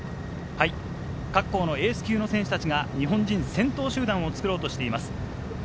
各校のエース級の選手たちが日本人先頭集団を作ろうとしています。